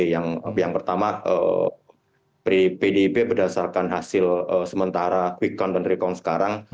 yang pertama pdip berdasarkan hasil sementara quick count dan recount sekarang